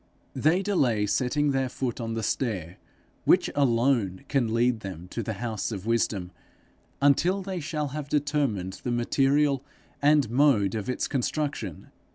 They delay setting their foot on the stair which alone can lead them to the house of wisdom, until they shall have determined the material and mode of its construction.